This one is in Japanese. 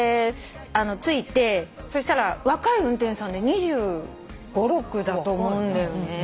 着いてそしたら若い運転手さんで２５２６だと思うんだよね。